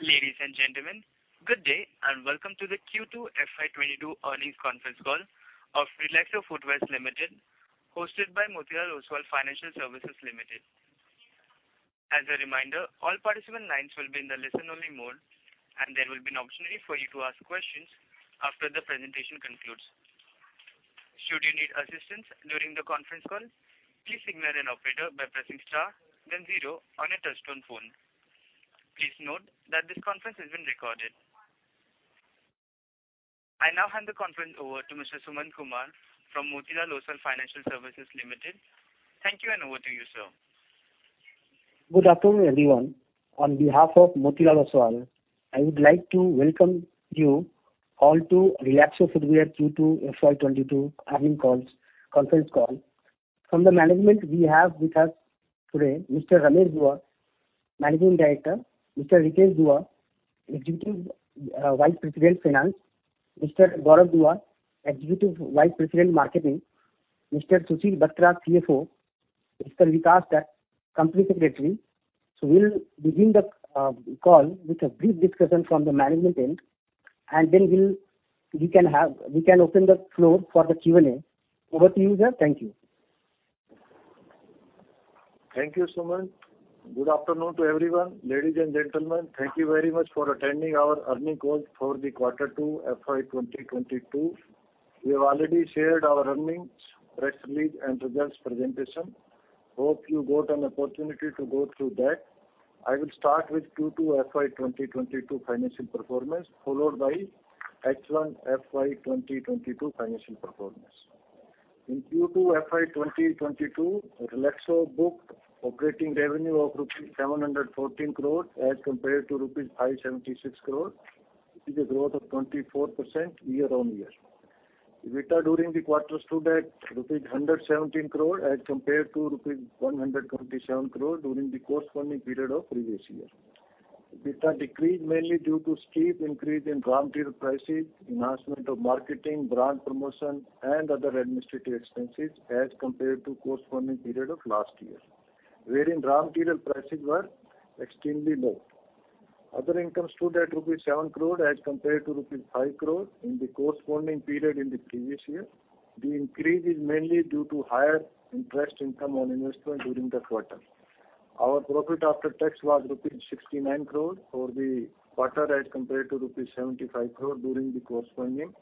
Ladies and gentlemen, good day, and welcome to the Q2 FY 2022 earnings conference call of Relaxo Footwears Limited, hosted by Motilal Oswal Financial Services Limited. As a reminder, all participant lines will be in the listen-only mode, and there will be an opportunity for you to ask questions after the presentation concludes. Should you need assistance during the conference call, please signal an operator by pressing star then zero on your touchtone phone. Please note that this conference is being recorded. I now hand the conference over to Mr. Sumant Kumar from Motilal Oswal Financial Services Limited. Thank you, and over to you, sir. Good afternoon, everyone. On behalf of Motilal Oswal, I would like to welcome you all to Relaxo Footwears Q2 FY 2022 earnings conference call. From the management we have with us today Mr. Ramesh Dua, Managing Director, Mr. Ritesh Dua, Executive Vice President, Finance, Mr. Gaurav Dua, Executive Vice President, Marketing, Mr. Sushil Batra, CFO, Mr. Vikas Tak, Company Secretary. We'll begin the call with a brief discussion from the management team, and then we can open the floor for the Q&A. Over to you, sir. Thank you. Thank you, Sumant. Good afternoon to everyone. Ladies and gentlemen, thank you very much for attending our earnings call for Q2 FY 2022. We have already shared our earnings, press release, and results presentation. Hope you got an opportunity to go through that. I will start with Q2 FY 2022 financial performance, followed by H1 FY 2022 financial performance. In Q2 FY 2022, Relaxo booked operating revenue of rupees 714 crore as compared to rupees 576 crore. This is a growth of 24% year-on-year. EBITDA during the quarter stood at rupees 117 crore as compared to rupees 127 crore during the corresponding period of previous year. EBITDA decreased mainly due to steep increase in raw material prices, enhancement of marketing, brand promotion, and other administrative expenses as compared to corresponding period of last year, wherein raw material prices were extremely low. Other income stood at rupees 7 crore as compared to rupees 5 crore in the corresponding period in the previous year. The increase is mainly due to higher interest income on investment during the quarter. Our profit after tax was rupees 69 crore for the quarter, as compared to rupees 75 crore during the corresponding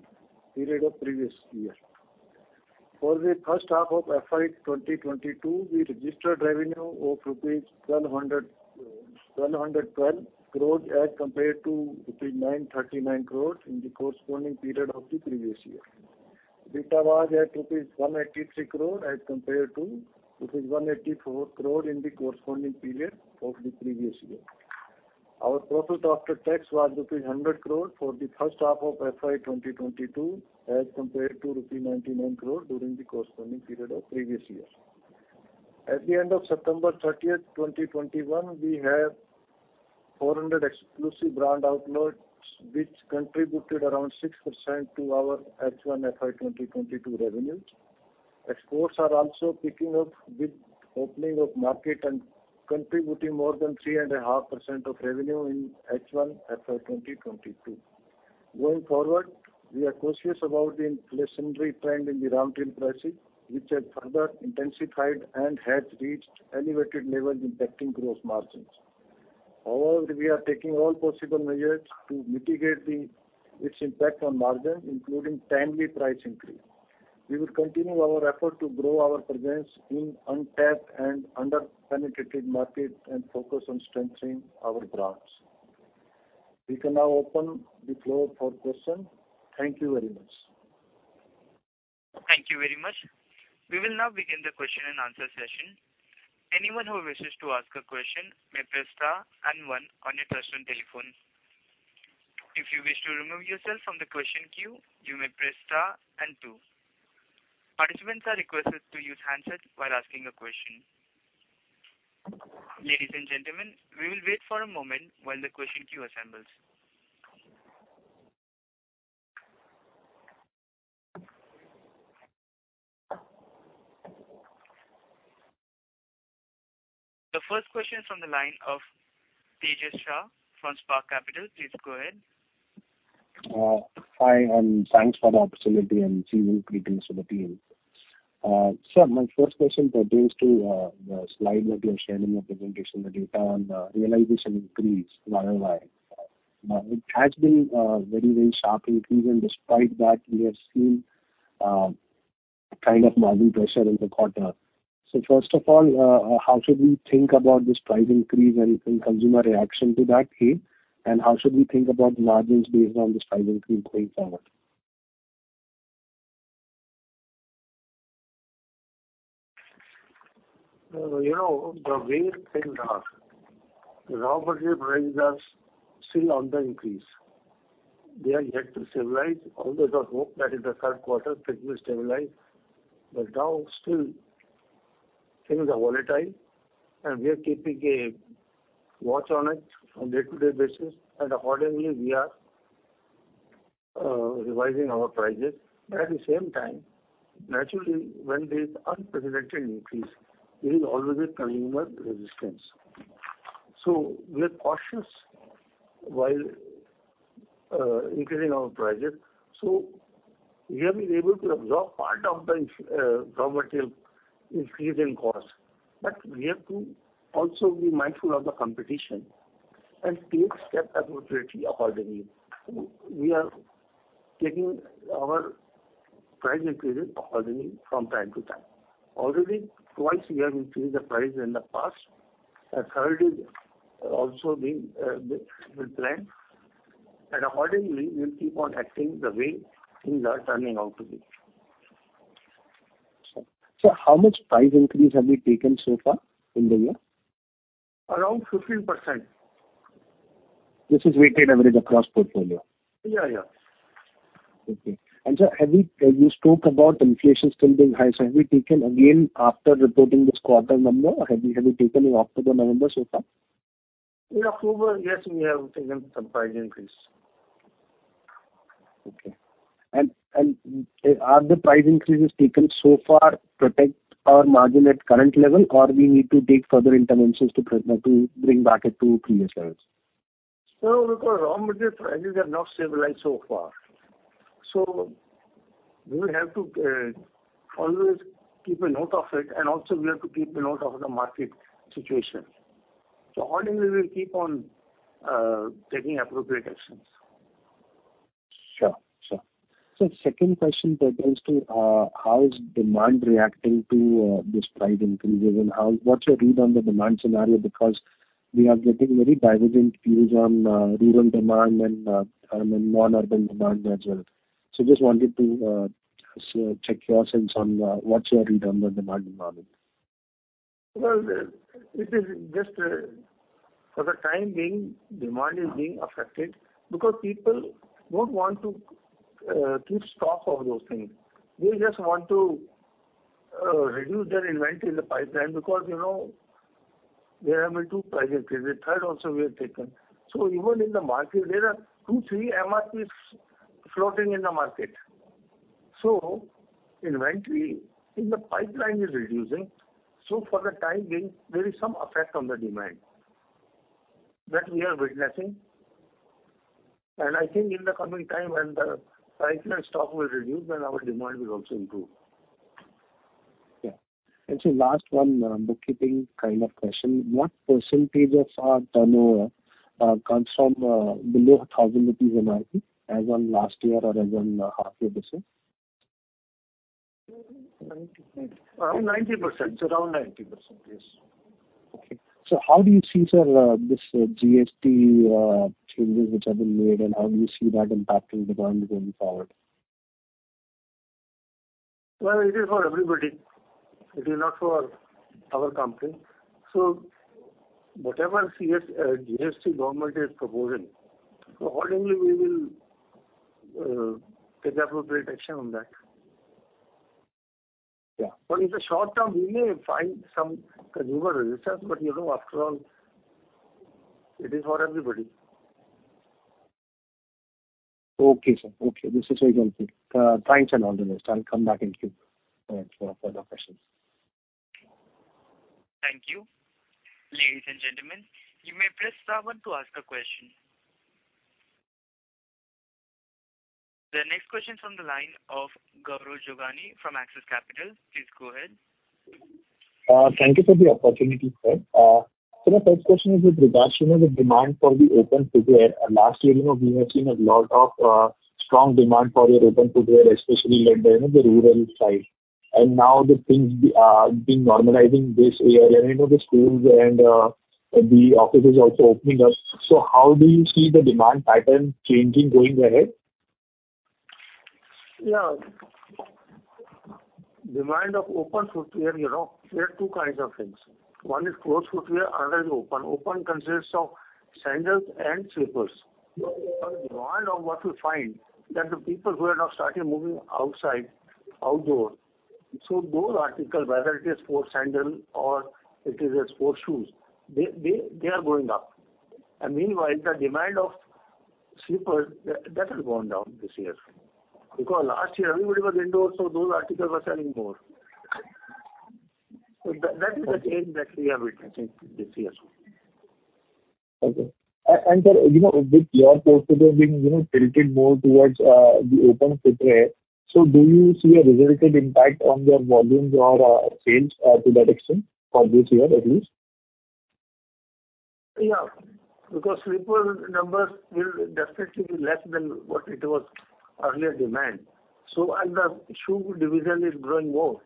period of previous year. For the first half of FY 2022, we registered revenue of 1,212 crore as compared to rupees 939 crore in the corresponding period of the previous year. EBITDA was at rupees 183 crore as compared to rupees 184 crore in the corresponding period of the previous year. Our profit after tax was INR 100 crore for the first half of FY 2022, as compared to INR 99 crore during the corresponding period of previous year. At the end of September 30, 2021, we have 400 exclusive brand outlets which contributed around 6% to our H1 FY 2022 revenues. Exports are also picking up with opening of market and contributing more than 3.5% of revenue in H1 FY 2022. Going forward, we are cautious about the inflationary trend in the raw material prices, which has further intensified and has reached elevated levels impacting gross margins. However, we are taking all possible measures to mitigate its impact on margin, including timely price increase. We will continue our effort to grow our presence in untapped and under-penetrated market and focus on strengthening our brands. We can now open the floor for questions. Thank you very much. Thank you very much. We will now begin the question and answer session. Anyone who wishes to ask a question may press star and one on your touchtone telephone. If you wish to remove yourself from the question queue, you may press star and two. Participants are requested to use handsets while asking a question. Ladies and gentlemen, we will wait for a moment while the question queue assembles. The first question is from the line of Tejas Shah from Spark Capital. Please go ahead. Hi, and thanks for the opportunity, and seasonal greetings to the team. Sir, my first question pertains to the slide that you are sharing in the presentation, the data on the realization increase YoY. It has been a very, very sharp increase, and despite that, we have seen kind of margin pressure in the quarter. First of all, how should we think about this price increase and consumer reaction to that here? How should we think about margins based on this price increase going forward? You know, the main thing are the raw material prices are still on the increase. They are yet to stabilize. It's always our hope that in the third quarter things will stabilize. Now still things are volatile, and we are keeping a watch on it on day-to-day basis. Accordingly, we are Revising our prices. At the same time, naturally, when there's unprecedented increase, there is always a consumer resistance. We are cautious while increasing our prices. We have been able to absorb part of the raw material increase in cost. We have to also be mindful of the competition and take steps appropriately accordingly. We are taking our price increases accordingly from time to time. Already twice we have increased the price in the past. A third is also being planned. Accordingly, we'll keep on acting the way things are turning out to be. Sir, how much price increase have you taken so far in the year? Around 15%. This is weighted average across portfolio? Yeah, yeah. Okay. Sir, you spoke about inflation still being high. Have you taken again after reporting this quarter number, or have you taken in October, November so far? In October, yes, we have taken some price increase. Okay. Do the price increases taken so far protect our margin at current level, or we need to take further interventions to bring it back to previous levels? No, because raw material prices are not stabilized so far. We will have to always keep a note of it, and also we have to keep a note of the market situation. Annually we will keep on taking appropriate actions. Sure. Second question pertains to how is demand reacting to this price increases and what's your read on the demand scenario. Because we are getting very divergent views on rural demand and then non-urban demand as well. Just wanted to check your sense on what's your read on the demand dynamic. Well, it is just, for the time being, demand is being affected because people don't want to keep stock of those things. They just want to reduce their inventory in the pipeline because, you know, there have been two price increases. Third also we have taken. Even in the market, there are two, three MRPs floating in the market. Inventory in the pipeline is reducing. For the time being, there is some effect on the demand that we are witnessing. I think in the coming time when the price and stock will reduce, then our demand will also improve. Yeah. Sir, last one, bookkeeping kind of question. What percentage of our turnover comes from below 1,000 rupees MRP as on last year or as on half year this year? 90%. Around 90%, yes. How do you see, sir, this GST changes which have been made, and how do you see that impacting the brand going forward? Well, it is for everybody. It is not for our company. Whatever GST government is proposing, accordingly we will take appropriate action on that. Yeah. In the short term we may find some consumer resistance, but, you know, after all, it is for everybody. Okay, sir. Okay. This is very helpful. Thanks a lot. I'll come back in queue for further questions. Thank you. Ladies and gentlemen, you may press star one to ask a question. The next question is from the line of Gaurav Jogani from Axis Capital. Please go ahead. Thank you for the opportunity, sir. My first question is with regards to, you know, the demand for the open footwear. Last year, you know, we have seen a lot of strong demand for your open footwear, especially like, you know, the rural side. Now the things being normalizing this year and, you know, the schools and the offices also opening up. How do you see the demand pattern changing going ahead? Yeah. Demand of open footwear, you know, there are two kinds of things. One is closed footwear, another is open. Open consists of sandals and slippers. The demand of what we find, that the people who are now starting moving outside, outdoor, so those articles, whether it is sports sandal or it is a sports shoes, they are going up. Meanwhile the demand of slippers, that has gone down this year. Because last year everybody was indoors, so those articles were selling more. That is the change that we are witnessing this year. Okay. Sir, you know, with your portfolio being, you know, tilted more towards the open footwear, so do you see a relative impact on your volumes or sales to that extent for this year at least? Yeah. Because slipper numbers will definitely be less than what it was earlier demand. The shoe division is growing more,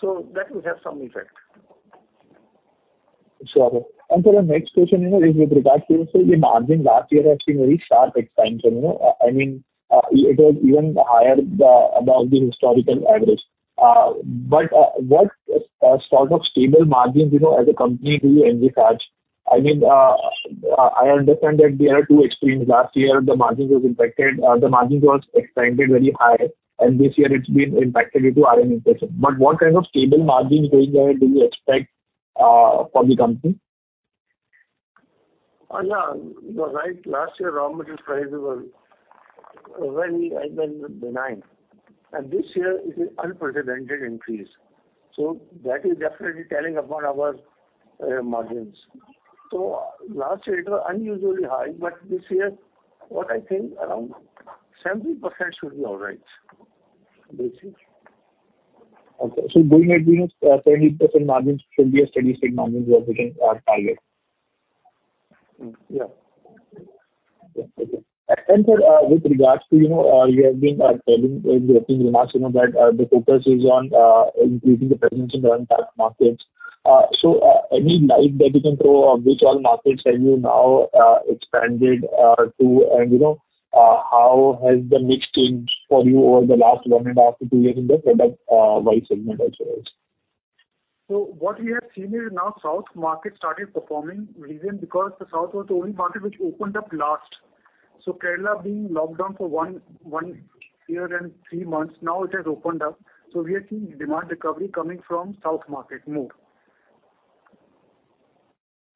so that will have some effect. Sure. Sir, the next question, you know, is with regards to, you know, the margin last year has been very sharp expansion, you know. I mean, it was even higher, above the historical average. What sort of stable margins, you know, as a company do you envisage? I mean, I understand that there are two extremes. Last year the margins was expanded very high, and this year it's been impacted due to raw material. What kind of stable margins going ahead do you expect for the company? Yeah, you are right. Last year, raw material prices were very benign, and this year it is unprecedented increase. That is definitely telling upon our margins. Last year it was unusually high, but this year, what I think around 70% should be all right this year. Okay. Going ahead, you know, 70% margins should be a steady state margin you are looking or target? Yeah. Okay. Sir, with regards to, you know, you have been telling in the opening remarks, you know, that the focus is on increasing the presence in the untapped markets. Any light that you can throw on which all markets have you now expanded to and, you know, how has the mix changed for you over the last 1.5 to two years in the product wide segment also? What we have seen is now South market started performing reason because the South was the only market which opened up last. Kerala being locked down for one year and three months, now it has opened up. We are seeing demand recovery coming from South market more.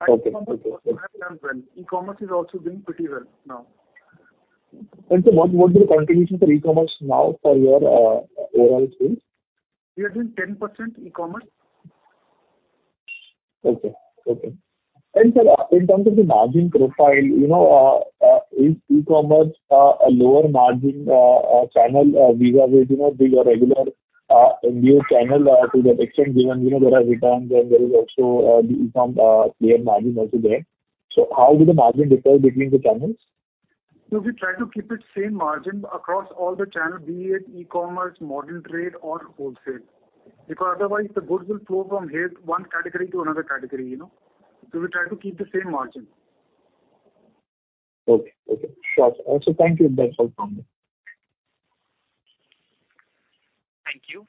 Okay. E-commerce also have done well. E-commerce is also doing pretty well now. What is the contribution for e-commerce now for your overall sales? We are doing 10% e-commerce. Sir, in terms of the margin profile, you know, is e-commerce a lower margin channel vis-à-vis, you know, the regular Indian channel to that extent, given, you know, there are returns and there is also the e-com clearance margin also there. How do the margins differ between the channels? No, we try to keep the same margin across all the channels, be it e-commerce, modern trade or wholesale. Because otherwise the goods will flow from one category to another category, you know. We try to keep the same margin. Okay. Sure. Also, thank you. That's all from me. Thank you.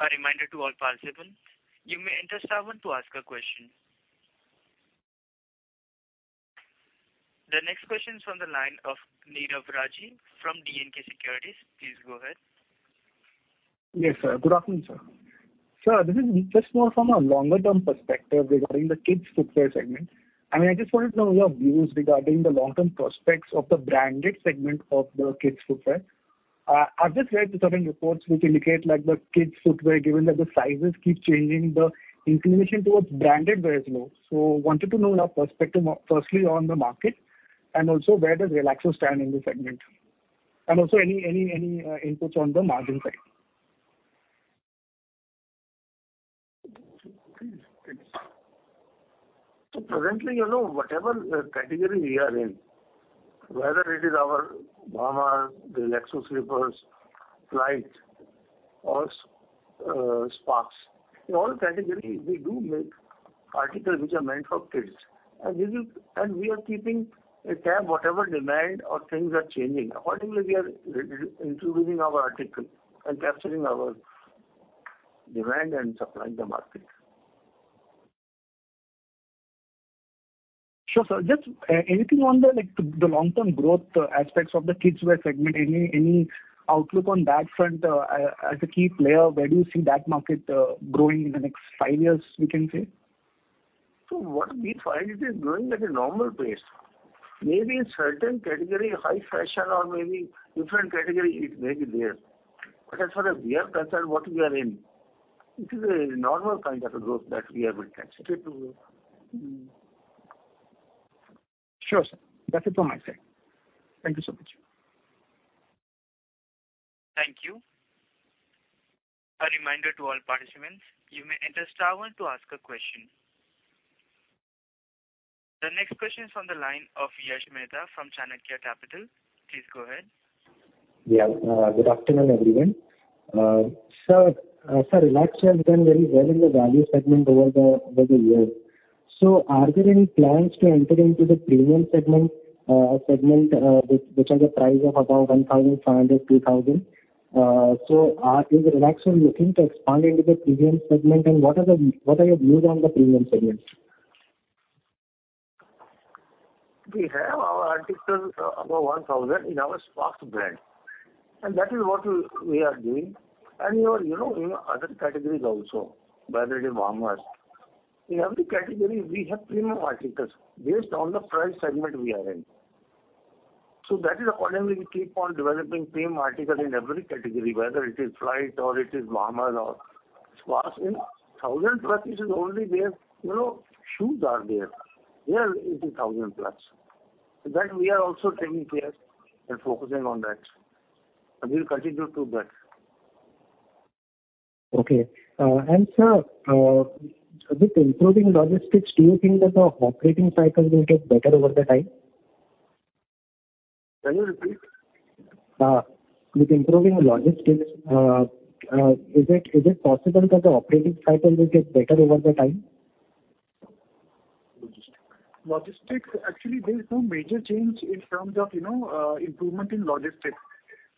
A reminder to all participants, you may enter star one to ask a question. The next question is from the line of Nirav Rajiv from B&K Securities. Please go ahead. Yes, sir. Good afternoon, sir. Sir, this is just more from a longer term perspective regarding the kids footwear segment. I mean, I just wanted to know your views regarding the long term prospects of the branded segment of the kids footwear. I've just read certain reports which indicate like the kids footwear, given that the sizes keep changing, the inclination towards branded wear is low. Wanted to know your perspective, firstly on the market and also where does Relaxo stand in this segment. Also any inputs on the margin side. Presently, you know, whatever category we are in, whether it is our Bahamas, Relaxo slippers, Flite or Sparx. In all categories, we do make articles which are meant for kids. We are keeping a tab, whatever demand or things are changing. Accordingly, we are re-introducing our article and capturing our demand and supplying the market. Sure, sir. Just anything on the, like, the long-term growth aspects of the kids wear segment. Any outlook on that front? As a key player, where do you see that market growing in the next five years, we can say? What we find it is growing at a normal pace. Maybe in certain category, high fashion or maybe different category it may be there. As far as we are concerned, what we are in, it is a normal kind of a growth that we have been capturing. Sure, sir. That's it from my side. Thank you so much. Thank you. A reminder to all participants, you may enter star one to ask a question. The next question is from the line of Yash Mehta from Chanakya Capital. Please go ahead. Good afternoon, everyone. Sir, Relaxo has done very well in the value segment over the years. Are there any plans to enter into the premium segment which has a price of about 1,500-2,000? Is Relaxo looking to expand into the premium segment? What are your views on the premium segment? We have our articles above 1000 in our Sparx brand, and that is what we are doing. You know, in other categories also, whether it is Bahamas. In every category we have premium articles based on the price segment we are in. That is accordingly we keep on developing premium article in every category, whether it is Flite or it is Bahamas or Sparx. In 1000+ it is only there, you know, shoes are there. There it is 1000+. That we are also taking care and focusing on that. We'll continue to do that. Okay. Sir, with improving logistics, do you think that the operating cycle will get better over the time? Can you repeat? With improving logistics, is it possible that the operating cycle will get better over the time? Logistics, actually, there is no major change in terms of, you know, improvement in logistics.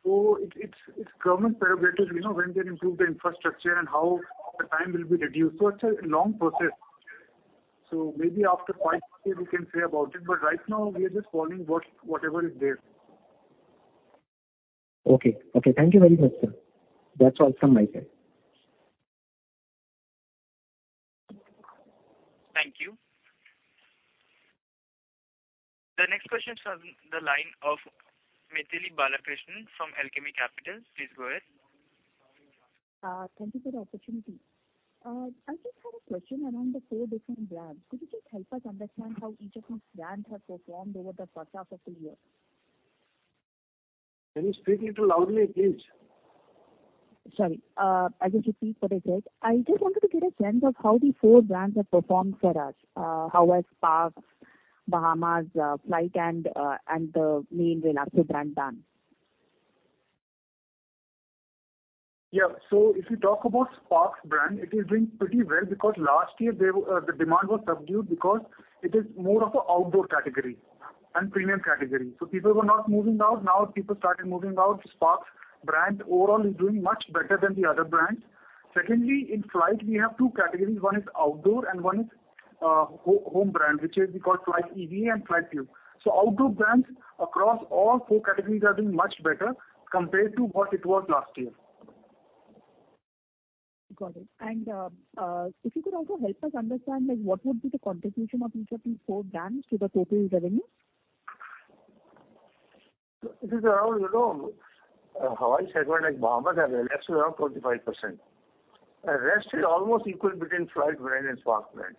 It's government prerogative, you know, when they'll improve the infrastructure and how the time will be reduced. It's a long process. Maybe after five years we can say about it, but right now we are just following whatever is there. Okay. Thank you very much, sir. That's all from my side. Thank you. The next question is from the line of Mythili Balakrishnan from Alchemy Capital. Please go ahead. Thank you for the opportunity. I just had a question around the four different brands. Could you just help us understand how each of those brands have performed over the first half of the year? Can you speak a little loudly, please? Sorry. I'll just repeat what I said. I just wanted to get a sense of how the four brands have performed for us. How has Sparx, Bahamas, Flite and the main Relaxo brand done? If you talk about Sparx brand, it is doing pretty well because last year the demand was subdued because it is more of an outdoor category and premium category. People were not moving out. Now people started moving out. Sparx brand overall is doing much better than the other brands. Secondly, in Flite we have two categories. One is outdoor and one is home brand, which we call Flite EVA and Flite PU. Outdoor brands across all four categories are doing much better compared to what it was last year. Got it. If you could also help us understand, like, what would be the contribution of each of these four brands to the total revenue? It is around, you know, Hawai segment like Bahamas and Relaxo around 25%. Rest is almost equal between Flite brand and Sparx brand.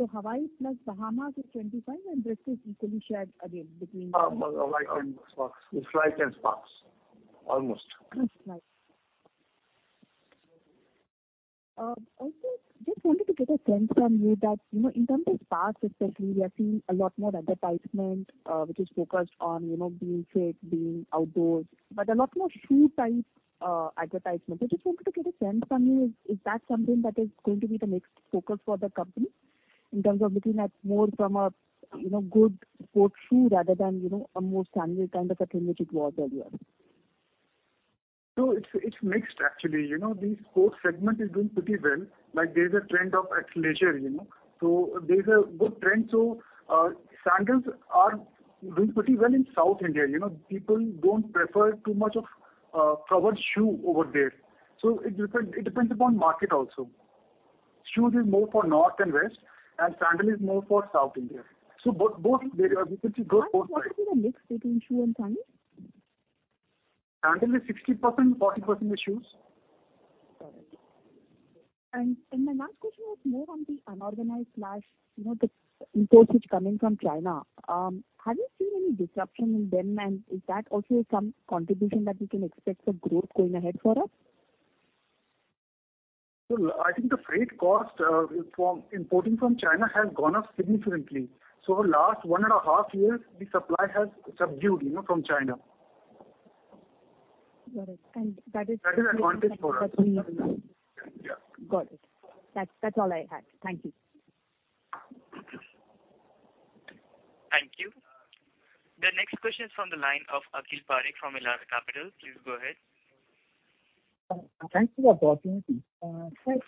Hawai plus Bahamas is 25%, and rest is equally shared again between- Hawai and Sparx. Flite and Sparx. Almost. Right. Also just wanted to get a sense from you that, you know, in terms of Sparx especially, we are seeing a lot more advertisement, which is focused on, you know, being fit, being outdoors, but a lot more shoe type advertisement. I just wanted to get a sense from you, is that something that is going to be the next focus for the company in terms of looking at more from a, you know, good sports shoe rather than, you know, a more sandal kind of a thing which it was earlier? It's mixed actually. You know, the sports segment is doing pretty well. Like, there's a trend of athleisure, you know, so there's a good trend. Sandals are doing pretty well in South India. You know, people don't prefer too much of covered shoe over there. It depends upon market also. Shoes is more for North and West, and sandal is more for South India. Both areas are pretty good for us. What is the mix between shoe and sandal? Sandal is 60%, 40% is shoes. Got it. My last question was more on the unorganized slash, you know, the imports which come in from China. Have you seen any disruption in them and is that also some contribution that we can expect for growth going ahead for us? Well, I think the freight cost from importing from China has gone up significantly. Over last one and a half years, the supply has subdued, you know, from China. Got it. That is advantage for us. That we need. Yeah. Got it. That's all I had. Thank you. Thank you. The next question is from the line of Akhil Parekh from Elara Capital. Please go ahead. Thank you for the opportunity.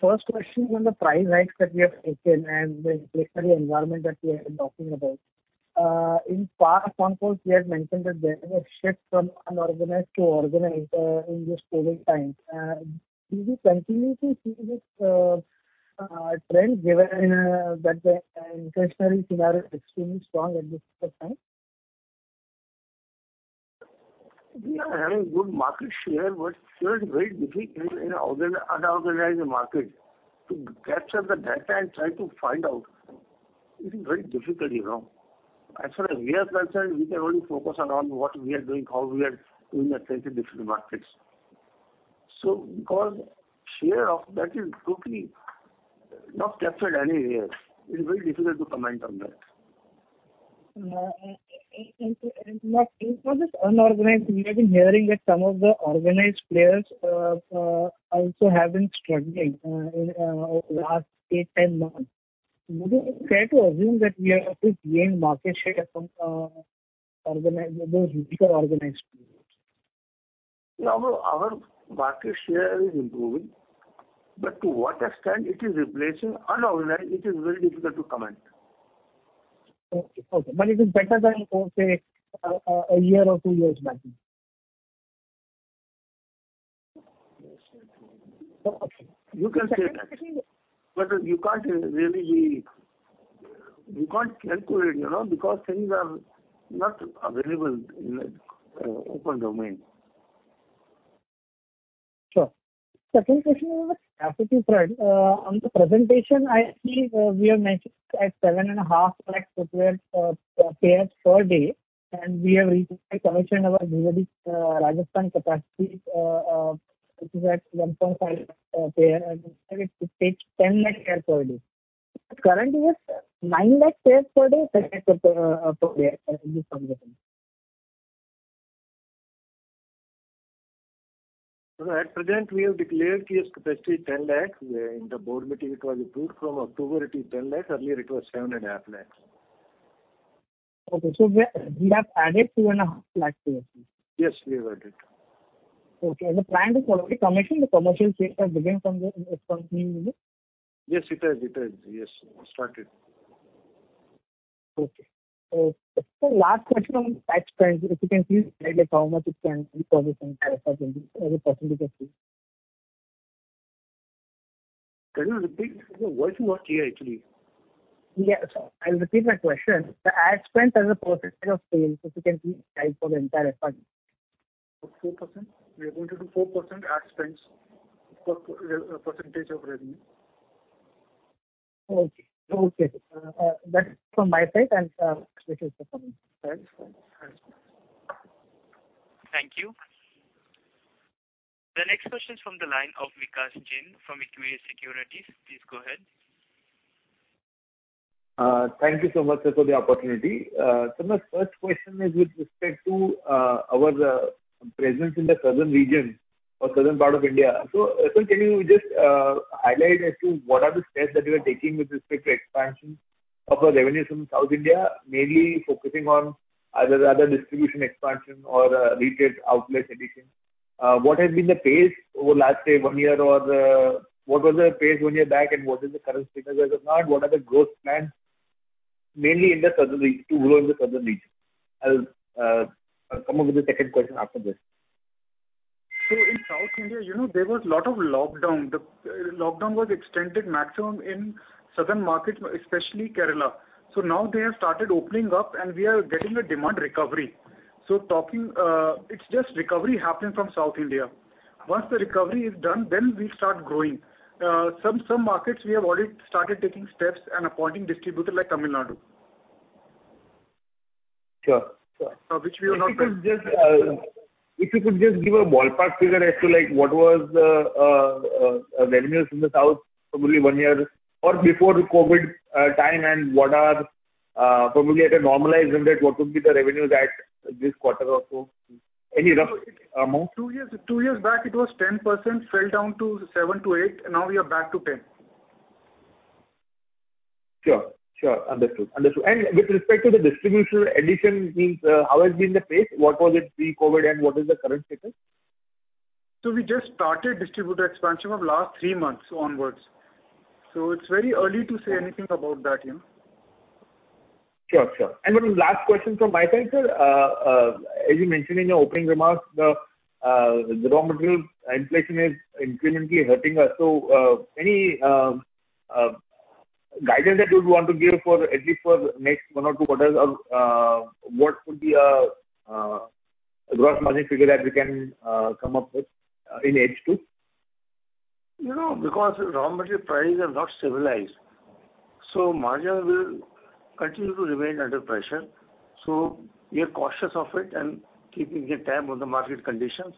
First question on the price hikes that we have taken and the inflationary environment that we have been talking about. In past con calls you had mentioned that there is a shift from unorganized to organized, in this COVID time. Do you continue to see this trend given that the inflationary scenario is extremely strong at this point of time? We are having good market share, but still it's very difficult in an organized-unorganized market to capture the data and try to find out. It is very difficult, you know. As far as we are concerned, we can only focus on what we are doing, how we are doing our trade in different markets. Because share of that is totally not captured anywhere, it's very difficult to comment on that. For the unorganized, we have been hearing that some of the organized players also have been struggling in the last eight to 10 months. Would it be fair to assume that we have also gained market share from the organized, those bigger organized players? Our market share is improving, but to what extent it is replacing unorganized, it is very difficult to comment. Okay. It is better than, say, a year or two years back? You can say that. You can't calculate, you know, because things are not available in open domain. Sure. Second question is on the capacity front. On the presentation, I see, we have mentioned at 750,000 footwear pairs per day, and we have recently commissioned our Bhiwadi capacity, which is at INR 150,000 pair and it takes 1,000,000 pairs per day. Currently it's 900,000 pairs per day, correct, per day as you mentioned? At present we have declared its capacity 1,000,000. In the board meeting it was approved. From October it is 1,000,000. Earlier it was 750,000. Okay. We have added 250,000 pairs. Yes, we have added. Okay. The plant is already commissioned. The commercial sales have begun. It's continuing with it? Yes, it has started. Okay. Last question on ad spend, if you can please guide us how much it can be for the entire FY 2022? Can you repeat? The voice is not clear actually. I'll repeat my question. The ad spend as a percentage of sales, if you can please guide for the entire FY 2022? 4%. We are going to do 4% ad spends as a percentage of revenue. Okay. That's from my side and switch off the phone. Thanks. Thanks. Thank you. The next question is from the line of Vikas Jain from Equirus Securities. Please go ahead. Thank you so much, sir, for the opportunity. My first question is with respect to our presence in the Southern region or Southern part of India. Sir, can you just highlight as to what are the steps that you are taking with respect to expansion of our revenues from South India, mainly focusing on either rather distribution expansion or retail outlets addition? What has been the pace over last, say, one year or what was the pace one year back and what is the current status? If not, what are the growth plans mainly in the Southern region to grow in the Southern region? I'll come up with the second question after this. In South India, you know, there was lot of lockdown. The lockdown was extended maximum in Southern markets, especially Kerala. Now they have started opening up, and we are getting a demand recovery. Talking, it's just recovery happening from South India. Once the recovery is done, then we'll start growing. Some markets we have already started taking steps and appointing distributor like Tamil Nadu. Sure. Sure. Uh, which we are not- If you could just give a ballpark figure as to like what was the revenues in the South probably one year or before the COVID time and what are probably at a normalized rate what would be the revenue that this quarter or so? Any rough amount? Two years back it was 10%, fell down to 7%-8%. Now we are back to 10%. Sure. Understood. With respect to the distribution addition means, how has been the pace? What was it pre-COVID and what is the current status? We just started distributor expansion of last three months onwards. It's very early to say anything about that, you know. One last question from my side, sir. As you mentioned in your opening remarks, the raw material inflation is incrementally hurting us. Any guidance that you would want to give for at least next one or two quarters of what would be gross margin figure that we can come up with in H2? You know, because raw material prices are not stabilized, so margin will continue to remain under pressure. We are cautious of it and keeping a tab on the market conditions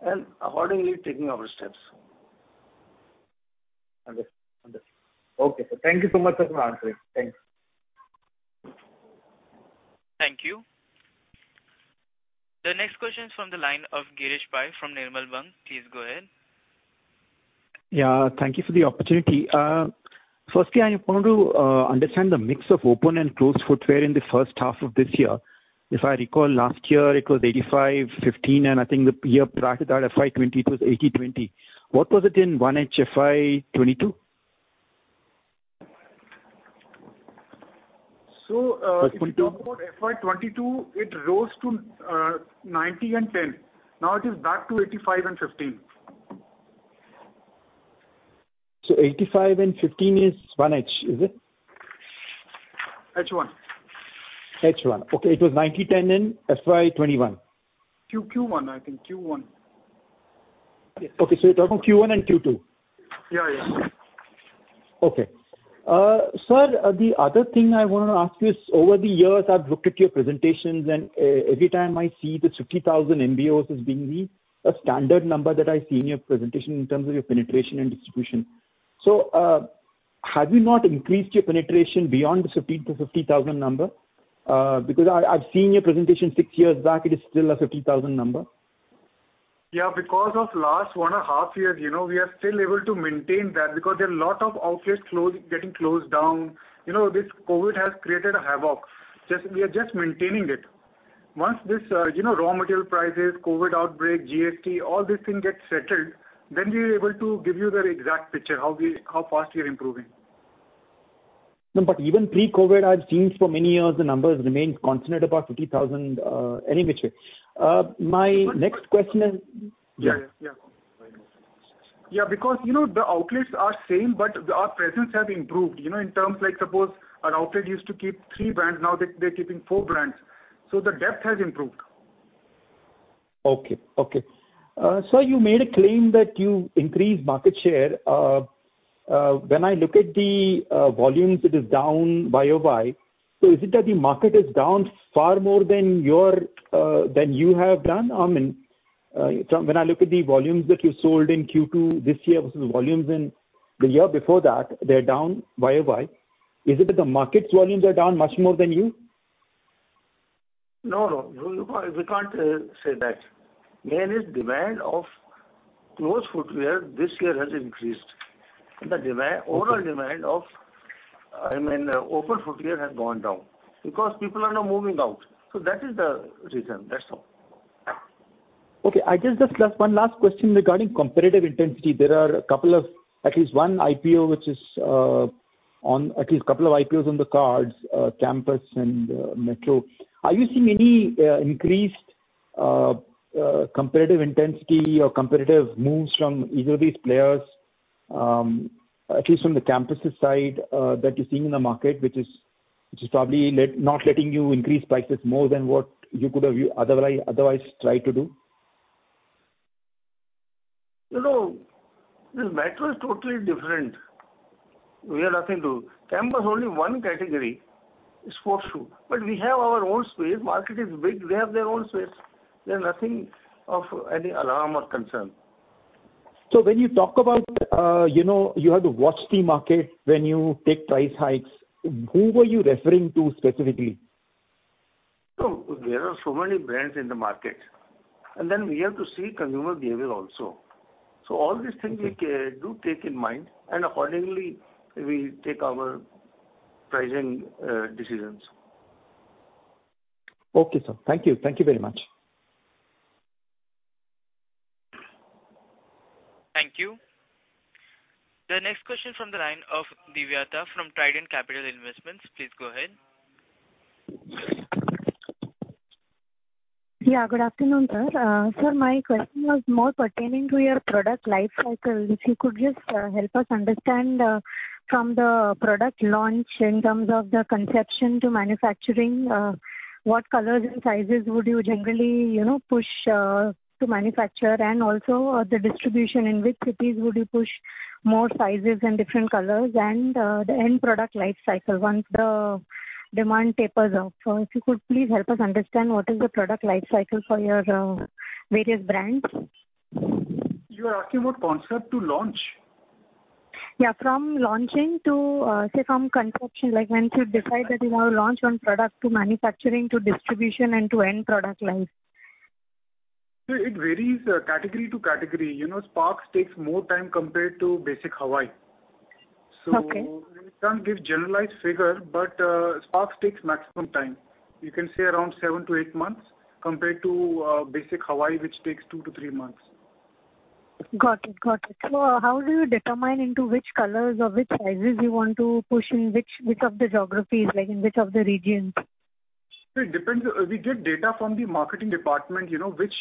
and accordingly taking our steps. Understood. Okay. Thank you so much, sir, for answering. Thanks. Thank you. The next question is from the line of Girish Pai from Nirmal Bang. Please go ahead. Yeah, thank you for the opportunity. Firstly, I want to understand the mix of open and closed footwear in the first half of this year. If I recall, last year it was 85%-15%, and I think the year prior to that, FY 2020, it was 80%-20%. What was it in 1H FY 2022? If you talk about FY 2022, it rose to 90% and 10%. Now it is back to 85% and 15%. So 85% and 15% is 1H, is it? H1. H1. Okay. It was 90%-10% in FY 2021. Q1, I think. Yes. Okay. You're talking Q1 and Q2. Yeah, yeah. Okay. Sir, the other thing I want to ask you is over the years, I've looked at your presentations, and every time I see the 50,000 MBOs as being a standard number that I see in your presentation in terms of your penetration and distribution. Have you not increased your penetration beyond the 50,000 number? Because I've seen your presentation six years back, it is still a 50,000 number. Yeah, because of last one and a half years, you know, we are still able to maintain that because there are a lot of outlets getting closed down. You know, this COVID has created a havoc. We are just maintaining it. Once this, you know, raw material prices, COVID outbreak, GST, all these things get settled, then we are able to give you the exact picture, how fast we are improving. No, even pre-COVID, I've seen for many years the numbers remained constant about 50,000, anyway. My next question is- Yeah, because you know, the outlets are the same, but our presence has improved, you know, in terms like suppose an outlet used to keep three brands, now they're keeping four brands. The depth has improved. Sir, you made a claim that you increased market share. When I look at the volumes, it is down YoY. Is it that the market is down far more than you have done? I mean, when I look at the volumes that you sold in Q2 this year versus volumes in the year before that, they're down YoY. Is it that the market's volumes are down much more than you? No, we can't say that. Mainly, the demand for closed footwear this year has increased. The overall demand for, I mean, open footwear has gone down because people are now moving out. That is the reason. That's all. Okay. I guess just one last question regarding competitive intensity. There are a couple of at least couple of IPOs on the cards, Campus and Metro. Are you seeing any increased competitive intensity or competitive moves from either of these players, at least from the Campus' side, that you're seeing in the market, which is probably not letting you increase prices more than what you could have otherwise tried to do? You know, this Metro is totally different. We are nothing to Campus, only one category, sports shoe. We have our own space. Market is big. They have their own space. There's nothing of any alarm or concern. When you talk about, you know, you have to watch the market when you take price hikes, who were you referring to specifically? No, there are so many brands in the market. We have to see consumer behavior also. All these things we do take in mind, and accordingly, we take our pricing decisions. Okay, sir. Thank you. Thank you very much. Thank you. The next question from the line of Divyata from Trident Capital Investments. Please go ahead. Yeah, good afternoon, sir. Sir, my question was more pertaining to your product life cycle. If you could just help us understand from the product launch in terms of the conception to manufacturing what colors and sizes would you generally, you know, push to manufacture and also the distribution, in which cities would you push more sizes and different colors and the end product life cycle once the demand tapers off. If you could please help us understand what is the product life cycle for your various brands. You are asking about concept to launch? Yeah, from launching to, say, from conception, like once you decide that you want to launch one product to manufacturing to distribution and to end product life. It varies, category to category. You know, Sparx takes more time compared to basic Hawai. Okay. We can't give generalized figure, but Sparx takes maximum time. You can say around sevne to eight months compared to basic Hawai, which takes two to three months. Got it. How do you determine into which colors or which sizes you want to push in which of the geographies, like in which of the regions? It depends. We get data from the marketing department, you know, which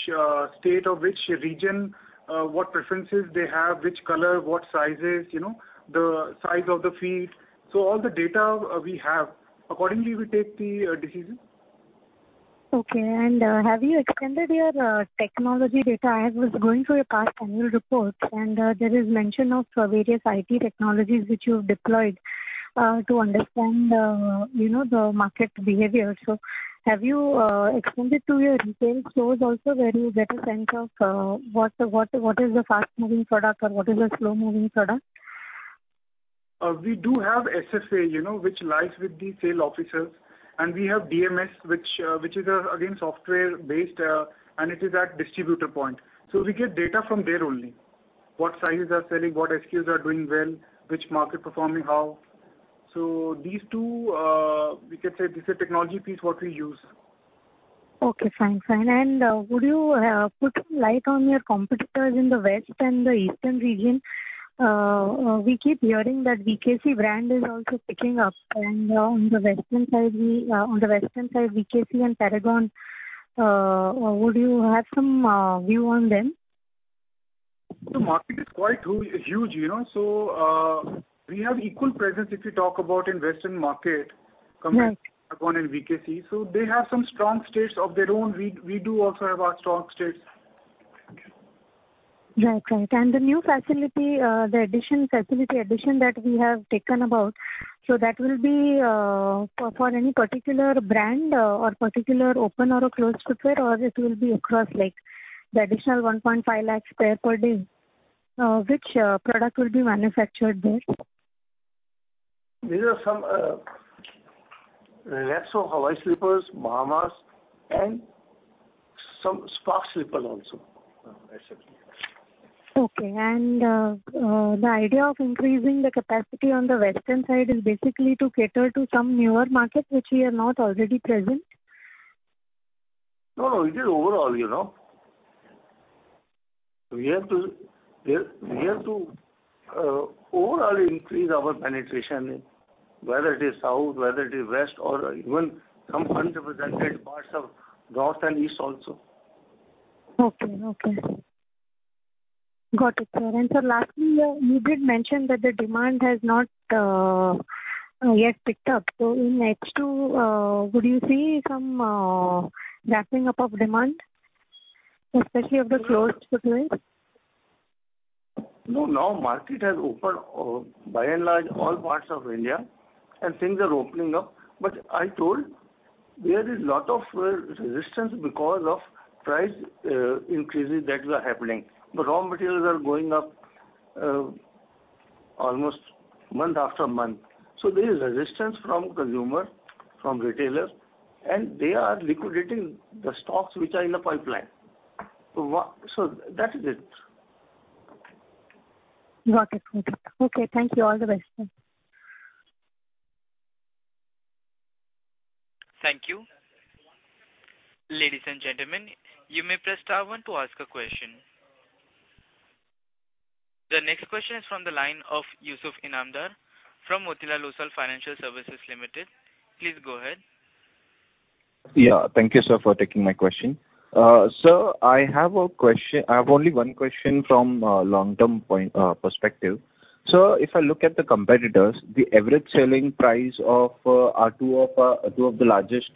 state or which region, what preferences they have, which color, what sizes, you know, the size of the feet. All the data we have, accordingly we take the decision. Okay. Have you extended your technology data? I was going through your past annual reports, and there is mention of various IT technologies which you've deployed to understand you know the market behavior. Have you extended to your retail stores also where you get a sense of what is the fast-moving product or what is the slow-moving product? We do have SFA, you know, which lies with the sales officers. We have DMS, which is again software-based and it is at distributor point. We get data from there only, what sizes are selling, what SKUs are doing well, which market performing how. These two, we can say this is technology piece what we use. Okay, fine. Would you put some light on your competitors in the West and the Eastern region? We keep hearing that VKC brand is also picking up. On the Western side, VKC and Paragon, would you have some view on them? The market is quite huge, you know. We have equal presence if you talk about in Western market compared to Paragon and VKC. Yes. They have some strong states of their own. We do also have our strong states. Right. The new facility addition that we have talked about, so that will be for any particular brand or particular open or closed footwear or it will be across, like the additional 150,000 pair per day, which product will be manufactured there? These are some less of Hawai slippers, Bahamas, and some Sparx slipper also, I should say. Okay. The idea of increasing the capacity on the Western side is basically to cater to some newer markets which we are not already present? No, no. It is overall, you know. We have to overall increase our penetration, whether it is South, whether it is West or even some underrepresented parts of North and East also. Okay. Got it, sir. Sir, lastly, you did mention that the demand has not yet picked up. In H2, would you see some ramping up of demand, especially of the closed footwear? No, now market has opened, by and large, all parts of India, and things are opening up. I told there is lot of resistance because of price increases that were happening. The raw materials are going up almost month after month. There is resistance from consumer, from retailers, and they are liquidating the stocks which are in the pipeline. That is it. Got it. Got it. Okay. Thank you. All the best, sir. Thank you. Ladies and gentlemen, you may press star one to ask a question. The next question is from the line of Yusuf Inamdar from Motilal Oswal Financial Services Limited. Please go ahead. Yeah. Thank you, sir, for taking my question. Sir, I have a question. I have only one question from long-term perspective. Sir, if I look at the competitors, the average selling price of two of the largest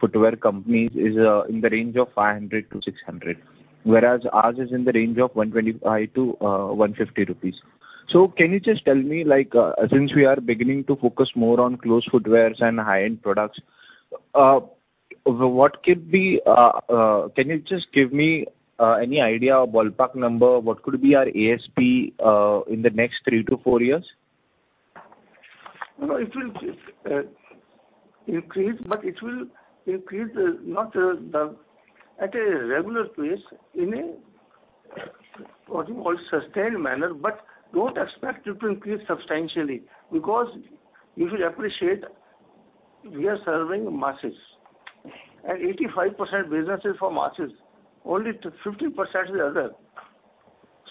footwear companies is in the range of 500-600, whereas ours is in the range of 125-150 rupees. Can you just tell me, like, since we are beginning to focus more on closed footwears and high-end products, can you just give me any idea or ballpark number, what could be our ASP in the next three to four years? No, it will increase, but it will increase not at a regular pace in a what you call sustained manner. Don't expect it to increase substantially, because if you appreciate, we are serving masses, and 85% business is from masses. Only 15% is other.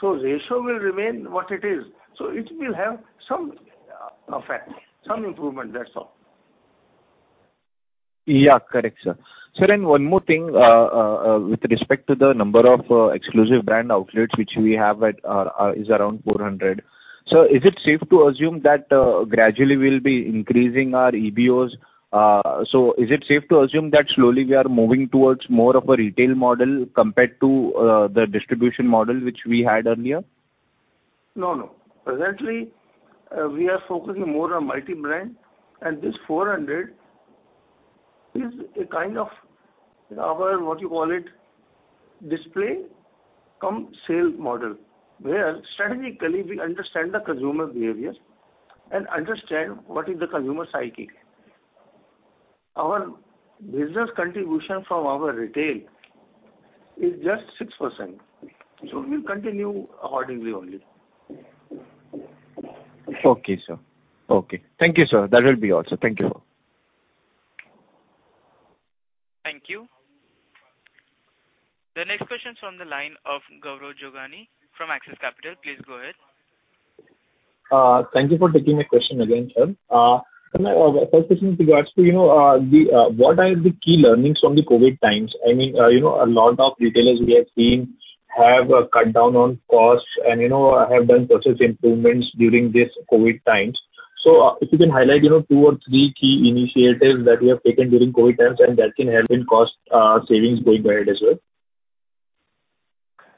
Ratio will remain what it is. It will have some effect, some improvement. That's all. Yeah. Correct, sir. Sir, one more thing. With respect to the number of exclusive brand outlets which we have is around 400, sir, is it safe to assume that gradually we'll be increasing our EBOs? Is it safe to assume that slowly we are moving towards more of a retail model compared to the distribution model which we had earlier? No, no. Presently, we are focusing more on multi-brand, and this 400 is a kind of our, what you call it, display cum sale model, where strategically we understand the consumer behaviors and understand what is the consumer psyche. Our business contribution from our retail is just 6%, so we'll continue accordingly only. Okay, sir. Okay. Thank you, sir. That will be all, sir. Thank you. Thank you. The next question is from the line of Gaurav Jogani from Axis Capital. Please go ahead. Thank you for taking my question again, sir. My first question with regards to, you know, the, what are the key learnings from the COVID times? I mean, you know, a lot of retailers we have seen have cut down on costs and, you know, have done process improvements during this COVID times. If you can highlight, you know, two or three key initiatives that you have taken during COVID times and that can help in cost savings going ahead as well.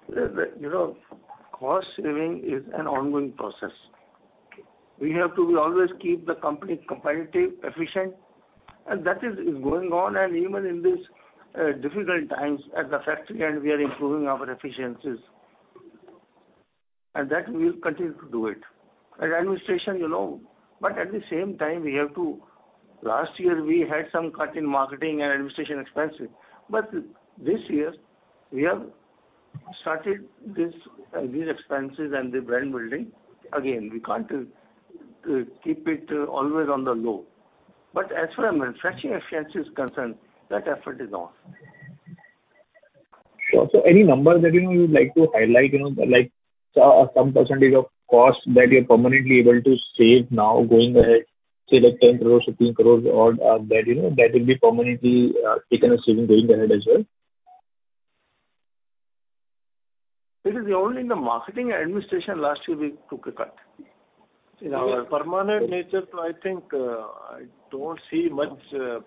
The you know, cost saving is an ongoing process. Okay. We have to always keep the company competitive, efficient, and that is going on. Even in these difficult times, at the factory end we are improving our efficiencies, and that we'll continue to do it. Administration, you know, but at the same time we have to. Last year we had some cut in marketing and administration expenses, but this year we have started these expenses and the brand building again. We can't keep it always on the low. As far as manufacturing efficiency is concerned, that effort is on. Sure. Any numbers that, you know, you'd like to highlight, you know, like some percentage of cost that you're permanently able to save now going ahead, say like 10 crore, 15 crore or, that, you know, that will be permanently taken as saving going ahead as well? It is only in the marketing and administration last year we took a cut. Okay. In our permanent nature, I think, I don't see much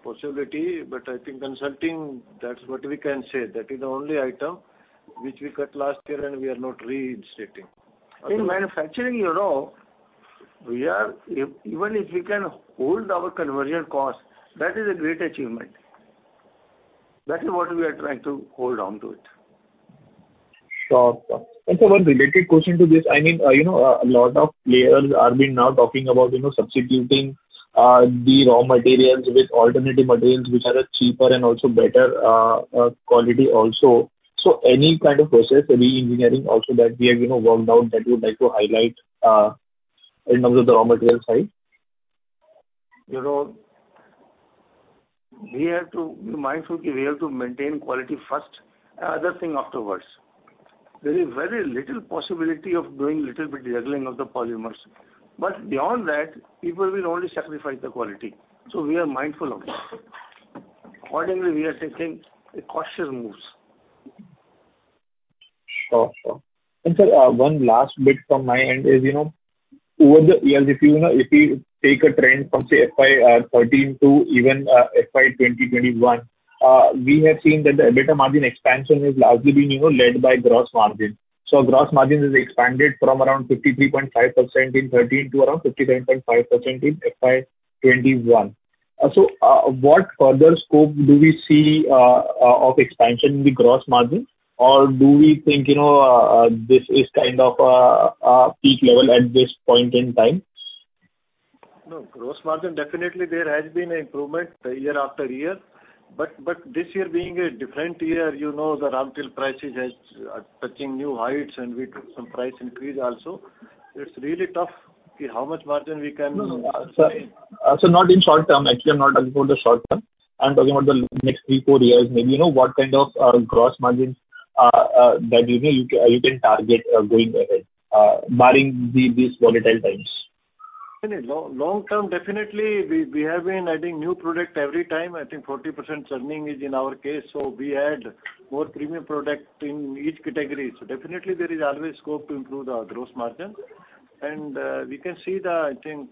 possibility, but I think consulting, that's what we can say. That is the only item which we cut last year and we are not reinstating. Okay. In manufacturing, you know, we are even if we can hold our conversion cost, that is a great achievement. That is what we are trying to hold on to it. Sure. Sir, one related question to this. I mean, you know, a lot of players are now talking about, you know, substituting the raw materials with alternative materials which are cheaper and also better quality also. Any kind of process reengineering also that we have, you know, worked out that you would like to highlight in terms of the raw material side? You know, we have to be mindful that we have to maintain quality first and other thing afterwards. There is very little possibility of doing little bit juggling of the polymers. Beyond that, people will only sacrifice the quality. We are mindful of that. Accordingly, we are taking cautious moves. Sure. Sir, one last bit from my end is, you know, over the years if you know, if we take a trend from, say, FY 2013 to even FY 2021, we have seen that the EBITDA margin expansion is largely being, you know, led by gross margin. Gross margin has expanded from around 53.5% in 2013 to around 59.5% in FY 2021. What further scope do we see of expansion in the gross margin, or do we think, you know, this is kind of a peak level at this point in time? No, gross margin, definitely there has been improvement year after year. This year being a different year, you know, the raw material prices are touching new heights, and we took some price increase also. It's really tough, okay, how much margin we can. No, sir, not in short term. Actually, I'm not asking for the short term. I'm talking about the next three to four years maybe. You know, what kind of gross margins that you think you can target going ahead, barring these volatile times? Long term, definitely we have been adding new product every time. I think 40% churning is in our case. We add more premium product in each category. Definitely there is always scope to improve the gross margin. We can see the, I think,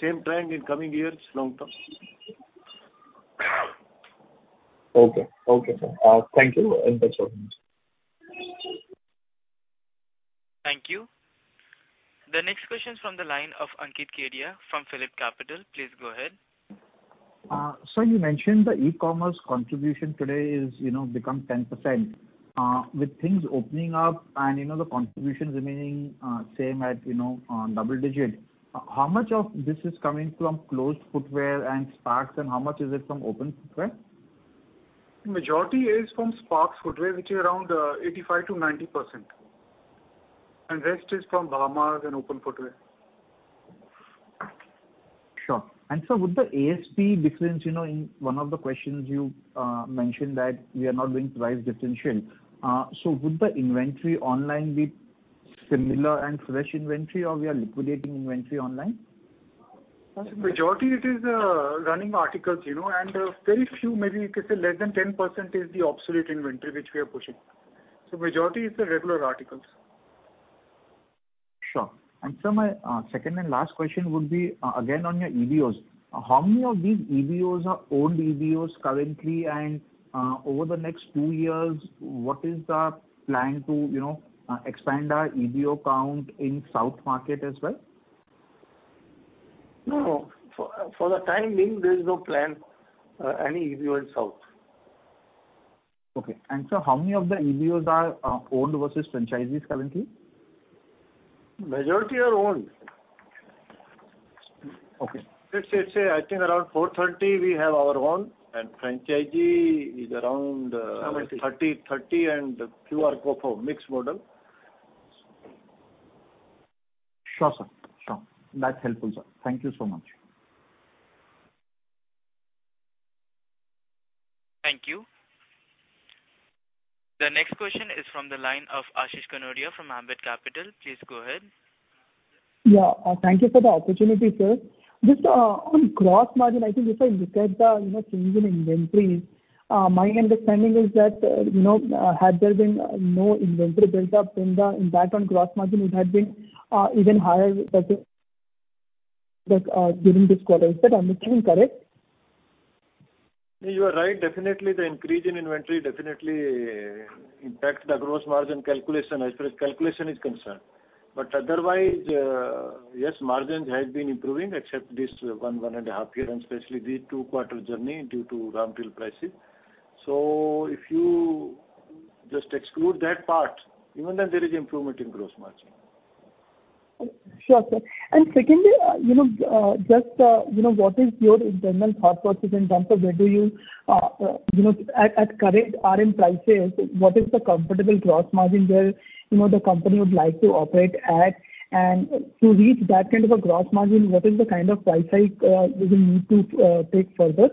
same trend in coming years, long term. Okay. Okay, sir. Thank you. Thanks for Thank you. The next question is from the line of Ankit Kedia from PhillipCapital. Please go ahead. Sir, you mentioned the e-commerce contribution today is, you know, become 10%. With things opening up and, you know, the contributions remaining same at, you know, double-digit, how much of this is coming from closed footwear and Sparx, and how much is it from open footwear? Majority is from Sparx footwear, which is around 85%-90%. Rest is from Bahamas and open footwear. Sure. Sir, with the ASP difference, you know, in one of the questions you mentioned that we are not doing price differential. Would the inventory online be similar and fresh inventory or we are liquidating inventory online? Majority it is running articles, you know, and very few, maybe you can say less than 10% is the obsolete inventory which we are pushing. Majority is the regular articles. Sure. Sir, my second and last question would be again on your EBOs. How many of these EBOs are owned EBOs currently? Over the next two years, what is the plan to you know expand our EBO count in South market as well? No, for the time being, there is no plan for any EBO in South. Okay. Sir, how many of the EBOs are owned versus franchisees currently? Majority are owned. Okay. Let's say I think around 430 we have our own and franchisee is around 30 and few are co-owned, mixed model. Sure, sir. Sure. That's helpful, sir. Thank you so much. Thank you. The next question is from the line of Ashish Kanodia from Ambit Capital. Please go ahead. Yeah. Thank you for the opportunity, sir. Just on gross margin, I think if I look at the, you know, change in inventory, my understanding is that, you know, had there been no inventory built up, the impact on gross margin, it had been even higher than that during this quarter. Is that understanding correct? You are right. Definitely the increase in inventory definitely impacts the gross margin calculation as far as calculation is concerned. Otherwise, yes, margins has been improving except this one and a half year, and especially the two quarter journey due to raw material prices. If you just exclude that part, even then there is improvement in gross margin. Sure, sir. Secondly, you know, just, you know, what is your internal thought process in terms of where do you you know at current RM prices, what is the comfortable gross margin where, you know, the company would like to operate at? To reach that kind of a gross margin, what is the kind of price hike we will need to take further?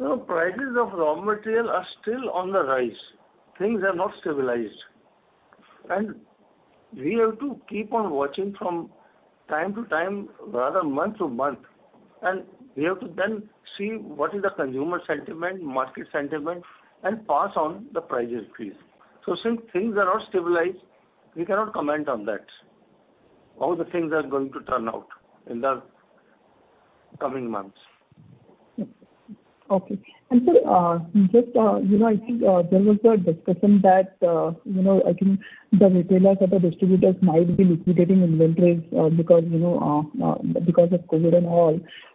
No, prices of raw material are still on the rise. Things are not stabilized. We have to keep on watching from time to time, rather month to month, and we have to then see what is the consumer sentiment, market sentiment, and pass on the prices increase. Since things are not stabilized, we cannot comment on that, how the things are going to turn out in the coming months. Okay. Sir, just, you know, I think there was a discussion that, you know, I think the retailers or the distributors might be liquidating inventories because of COVID and all.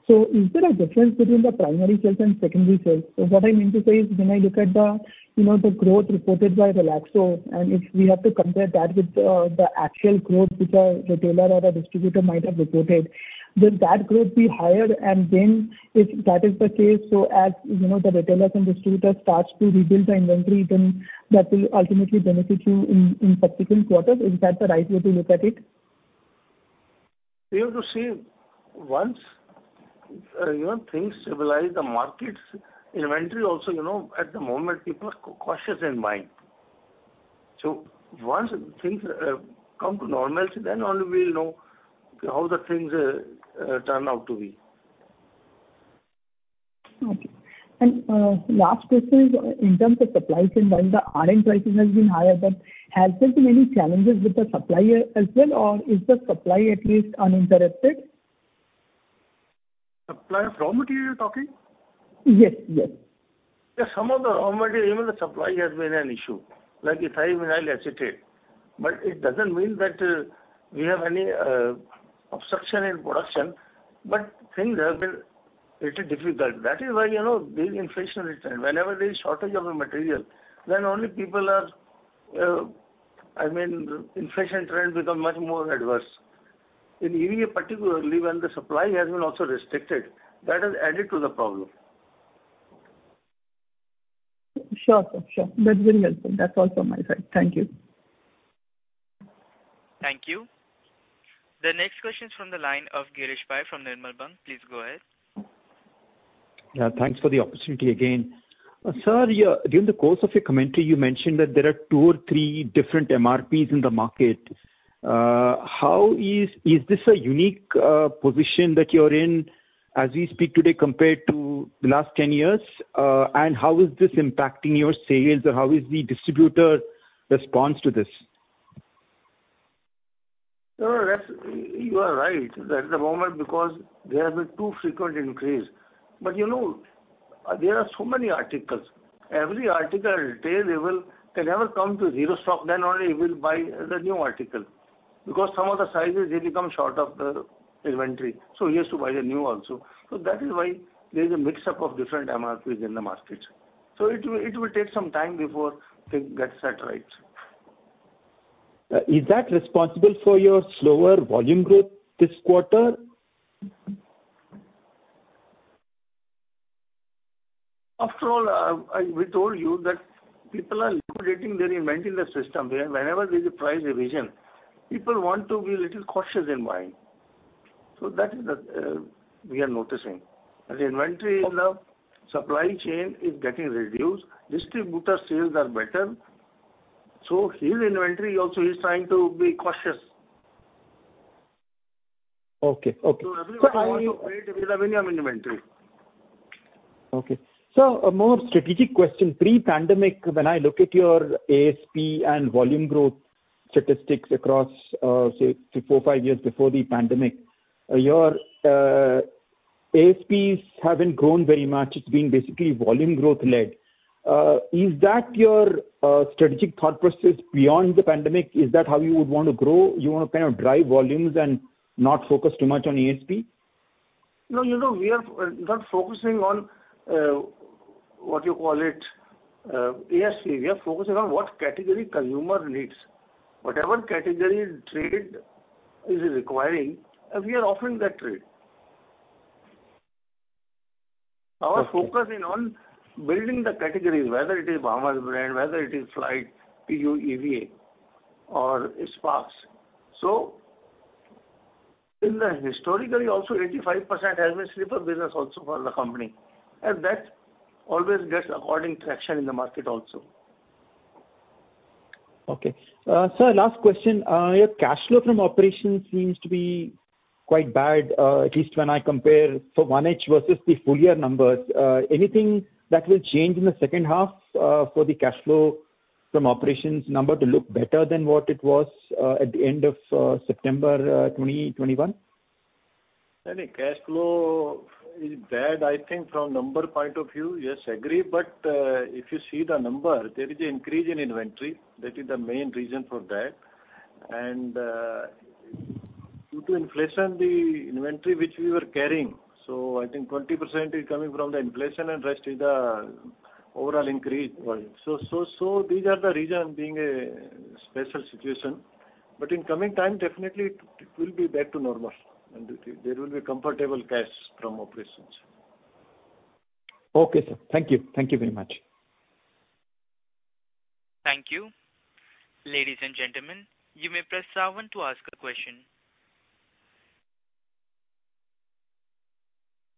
Is there a difference between the primary sales and secondary sales? What I mean to say is when I look at the, you know, the growth reported by Relaxo, and if we have to compare that with the actual growth which a retailer or a distributor might have reported, will that growth be higher? If that is the case, as you know, the retailers and distributors starts to rebuild the inventory, then that will ultimately benefit you in subsequent quarters. Is that the right way to look at it? We have to see once, you know, things stabilize the markets, inventory also, you know, at the moment people are cautious in mind. Once things come to normalcy, then only we'll know how the things turn out to be. Okay. Last question is in terms of supply chain, while the RM prices has been higher, but has there been any challenges with the supplier as well, or is the supply at least uninterrupted? Supplier of raw material you're talking? Yes. Yes. Yeah, some of the raw material, even the supply has been an issue, like ethylene-vinyl acetate. It doesn't mean that we have any obstruction in production, but things have been little difficult. That is why, you know, these inflationary trend. Whenever there is shortage of a material, then only people are, I mean, inflationary trend become much more adverse. In India, particularly when the supply has been also restricted, that has added to the problem. Sure, sir. Sure. That's very helpful. That's all from my side. Thank you. Thank you. The next question is from the line of Girish Pai from Nirmal Bang. Please go ahead. Yeah, thanks for the opportunity again. Sir, during the course of your commentary, you mentioned that there are two or three different MRPs in the market. Is this a unique position that you're in as we speak today compared to the last 10 years? How is this impacting your sales or how is the distributor response to this? No, that's. You are right. At the moment, because there has been too frequent increase. You know, there are so many articles. Every article, retailer, they never come to zero stock, then only he will buy the new article because some of the sizes, they become short of the inventory, so he has to buy the new also. That is why there is a mix-up of different MRPs in the market. It will take some time before things get set right. Is that responsible for your slower volume growth this quarter? After all, we told you that people are liquidating their inventory in the system. Whenever there's a price revision, people want to be a little cautious in buying. That is what we are noticing. As inventory is now, supply chain is getting reduced. Distributor sales are better, so his inventory also he's trying to be cautious. Okay. Okay. Everyone wants to play it with a minimum inventory. Okay. A more strategic question. Pre-pandemic, when I look at your ASP and volume growth statistics across, say four to five years before the pandemic, your ASPs haven't grown very much. It's been basically volume growth led. Is that your strategic thought process beyond the pandemic? Is that how you would want to grow? You wanna kind of drive volumes and not focus too much on ASP? No, you know, we are not focusing on what you call it, ASP. We are focusing on what category consumer needs. Whatever category trade is requiring, we are offering that trade. Okay. Our focus is on building the categories, whether it is Bahamas's brand, whether it is Flite, PU, EVA or Sparx. Historically also 85% has been slipper business also for the company, and that always gets good traction in the market also. Okay. Sir, last question. Your cash flow from operations seems to be quite bad, at least when I compare for 1H versus the full year numbers. Anything that will change in the second half, for the cash flow from operations number to look better than what it was, at the end of September 2021? Any cash flow is bad, I think from number point of view, yes, agree. If you see the number, there is an increase in inventory. That is the main reason for that. Due to inflation, the inventory which we were carrying, so I think 20% is coming from the inflation and rest is the overall increase volume. These are the reason being a special situation. In coming time, definitely it will be back to normal and there will be comfortable cash from operations. Okay, sir. Thank you. Thank you very much. Thank you. Ladies and gentlemen, you may press star one to ask a question.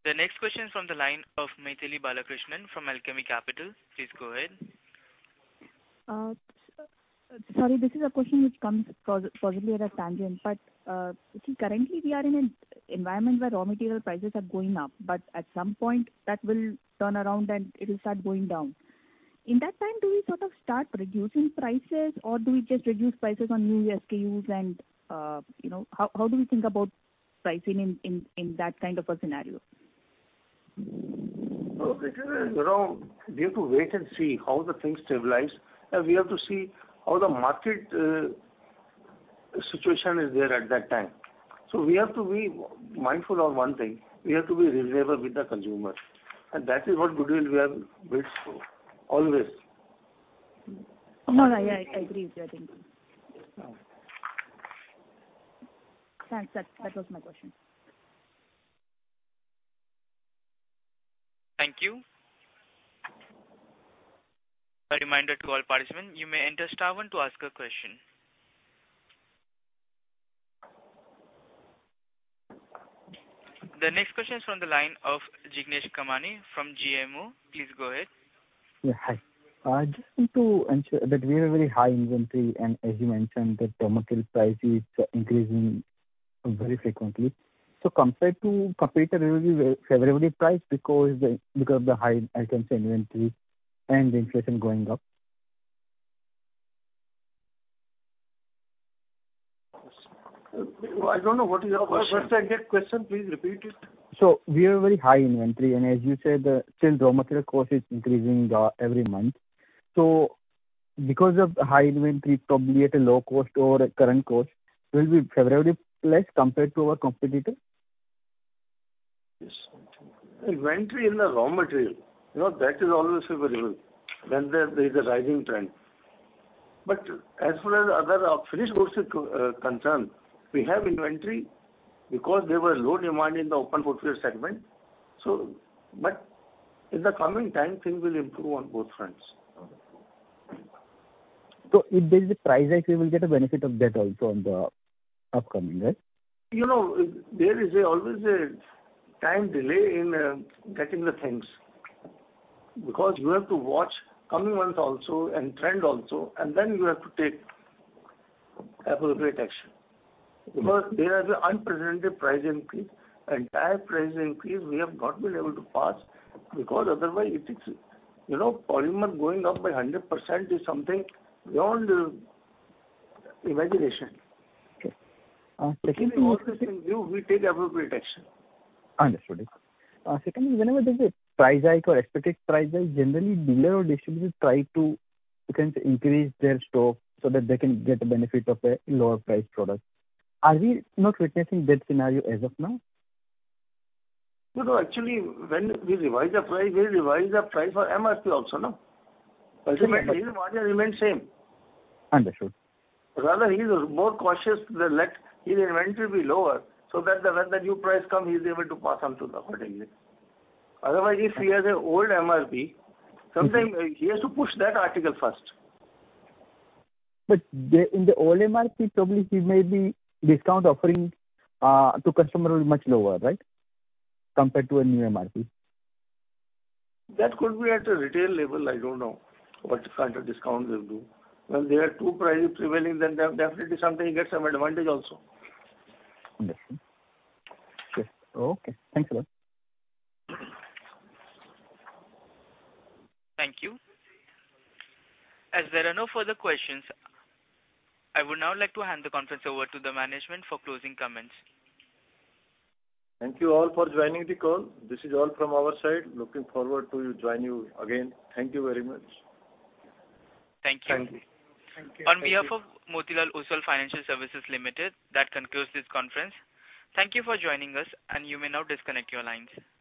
The next question is from the line of Mythili Balakrishnan from Alchemy Capital. Please go ahead. Sorry, this is a question which comes possibly at a tangent, but currently we are in an environment where raw material prices are going up, but at some point that will turn around and it will start going down. In that time, do we sort of start reducing prices or do we just reduce prices on new SKUs and you know, how do we think about pricing in that kind of a scenario? Look, it is, you know, we have to wait and see how the things stabilize and we have to see how the market situation is there at that time. We have to be mindful of one thing. We have to be reliable with the consumer, and that is what goodwill we have built for always. No, no. Yeah, I agree. I think so. Thanks. That was my question. Thank you. A reminder to all participants, you may enter star one to ask a question. The next question is from the line of Jignesh Kamani from GMO. Please go ahead. Yeah, hi. I just want to ensure that we have a very high inventory and as you mentioned that raw material prices are increasing very frequently. Compared to competitors, we will be favorably priced because of the high items inventory and inflation going up. I don't know what is your question. What's the exact question, please repeat it? We have very high inventory and as you said, still raw material cost is increasing, every month. Because of high inventory probably at a low cost or a current cost, we'll be favorably placed compared to our competitor? Inventory in the raw material, you know, that is always available when there is a rising trend. As well as other finished goods is concerned, we have inventory because there were low demand in the open footwear segment. In the coming time things will improve on both fronts. If there's a price hike, we will get a benefit of that also on the upcoming, right? You know, there is always a time delay in getting the things, because you have to watch coming months also and trend also, and then you have to take appropriate action. There has been unprecedented price increase. Entire price increase, we have not been able to pass because otherwise it is, you know, polymer going up by 100% is something beyond imagination. Okay. Secondly. We take appropriate action. Understood. Secondly, whenever there's a price hike or expected price hike, generally dealer or distributors try to, you can say, increase their stock so that they can get the benefit of a lower priced product. Are we not witnessing that scenario as of now? No, no, actually, when we revise the price, we revise the price for MRP also, no? His margin remains same. Understood. Rather, he's more cautious to let his inventory be lower so that when the new price comes, he's able to pass on to them accordingly. Otherwise, if he has an old MRP, sometimes he has to push that article first. In the old MRP, probably he may be discount offering to customer will be much lower, right? Compared to a new MRP. That could be at a retail level. I don't know what kind of discount they'll do. When there are two prices prevailing, then they have definitely something, he gets some advantage also. Understood. Okay. Thanks a lot. Thank you. As there are no further questions, I would now like to hand the conference over to the management for closing comments. Thank you all for joining the call. This is all from our side. Looking forward to join you again. Thank you very much. Thank you. Thank you. On behalf of Motilal Oswal Financial Services Limited, that concludes this conference. Thank you for joining us, and you may now disconnect your lines.